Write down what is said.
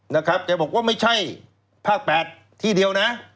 นะครับแกบอกว่าไม่ใช่ภาค๘ที่เดียวนะ